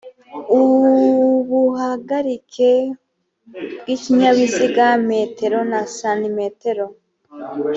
ubuhagarike bw ikinyabiziga metero na santimetero